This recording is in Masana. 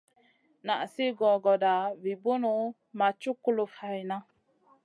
Nan sli gogoda vi bunu ma cuk kulufn hayna.